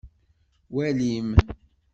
Walim!